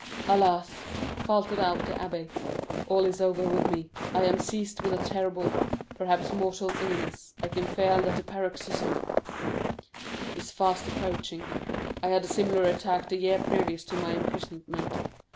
"Alas," faltered out the abbé, "all is over with me. I am seized with a terrible, perhaps mortal illness; I can feel that the paroxysm is fast approaching. I had a similar attack the year previous to my imprisonment.